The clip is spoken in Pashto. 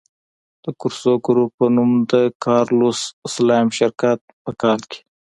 د کورسو ګروپ په نوم د کارلوس سلایم شرکت په کال کې.